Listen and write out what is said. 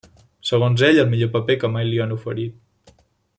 Segons ell el millor paper que mai li han oferit.